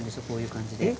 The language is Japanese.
こういう感じで。